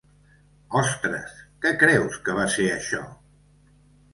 Ostres que creus que va ser això?